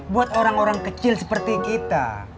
buat orang orang kecil seperti kita